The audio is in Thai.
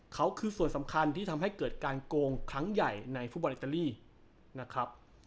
เขาคือส่วนสำคัญที่ทำให้เกิดการโกงครั้งใหญ่ในฟุตบอลอิตาลีนะครับ